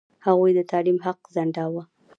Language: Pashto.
هغوی د تعلیم حق ځنډاوه.